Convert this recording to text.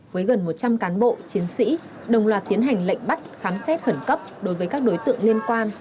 với gần một trăm linh cán bộ chiến sĩ đồng loạt tiến hành lệnh bắt khám xét khẩn cấp đối với các đối tượng liên quan